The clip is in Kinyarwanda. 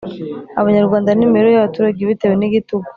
Abanyarwanda n imibereho y abaturage Bitewe n igitugu